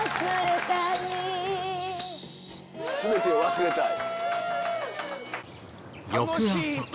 「すべてを忘れたい」。